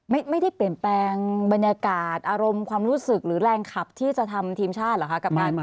ไม่ได้เปลี่ยนแปลงบรรยากาศอารมณ์ความรู้สึกหรือแรงขับที่จะทำทีมชาติเหรอคะกับการเมือง